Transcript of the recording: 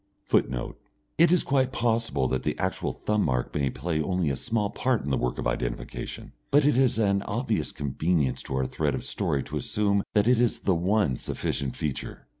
[Footnote: It is quite possible that the actual thumb mark may play only a small part in the work of identification, but it is an obvious convenience to our thread of story to assume that it is the one sufficient feature.